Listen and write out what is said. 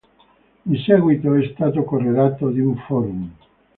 In seguito è stato corredato di un forum.